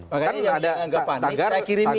makanya yang dianggap panik saya kirimi